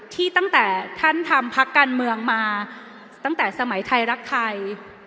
ตั้งแต่ท่านทำพักการเมืองมาตั้งแต่สมัยไทยรักไทย